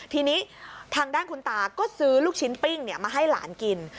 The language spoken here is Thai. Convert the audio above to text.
ทีนี้ทางด้านคุณตาก็ซื้อลูกชิ้นปิ้งมาให้หลานกิน